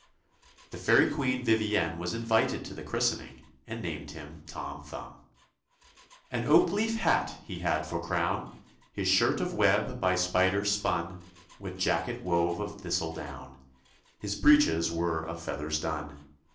The fairy Queen Vivienne was invited to the christening, and named him Tom Thumb. An oak leaf hat he had for crown ; His shirt of web by spiders spun ; With jacket wove of thistledown ; His breeches were of feathers done.